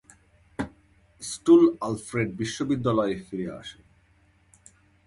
স্টুল Alfred বিশ্ববিদ্যালয়ে ফিরে আসেন।